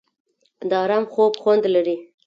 د ارام خوب خوند لري.